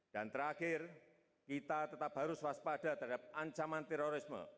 dan terakhir kita tetap harus waspada terhadap ancaman terorisme